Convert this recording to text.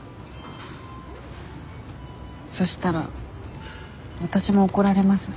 そしたらわたしも怒られますね。